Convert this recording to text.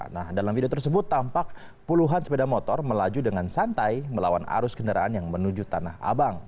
nah dalam video tersebut tampak puluhan sepeda motor melaju dengan santai melawan arus kendaraan yang menuju tanah abang